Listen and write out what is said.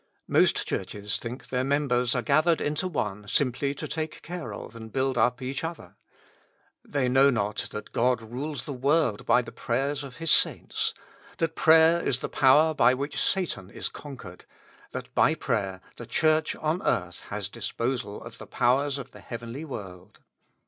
Most Churches think their members are gathered into one simply to take care of and build up each other. They With Christ in the School of Prayer. know not that God rules the world by the prayers of His saints ; that prayer is the power by which Satan is conquered ; that by prayer the Church on earth has disposal of the powers of the heavenly world.